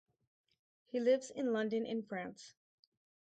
He lives in London and France.